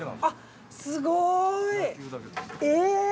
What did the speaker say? すごい。え！